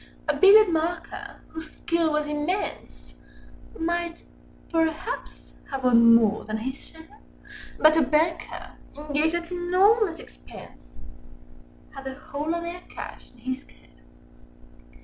A Billiard marker, whose skill was immense, Â Â Â Â Might perhaps have won more than his share— But a Banker, engaged at enormous expense, Â Â Â Â Had the whole of their cash in his care.